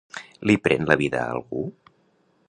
Li pren la vida a algú?